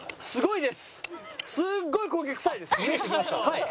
はい！